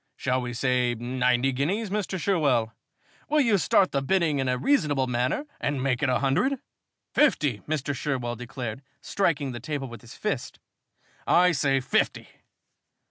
Shall we say ninety guineas, Mr. Sherwell? Will you start the bidding in a reasonable manner and make it a hundred?" "Fifty!" Mr. Sherwell declared, striking the table with his fist. "I say fifty!"